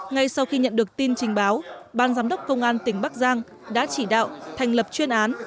ngay sau khi nhận được tin trình báo ban giám đốc công an tỉnh bắc giang đã chỉ đạo thành lập chuyên án